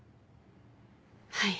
はい。